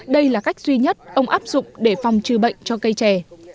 đây là cách duy nhất ông áp dụng để phòng trừ bệnh cho cây trẻ